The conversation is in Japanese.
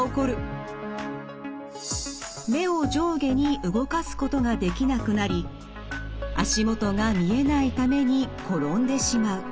目を上下に動かすことができなくなり足元が見えないために転んでしまう。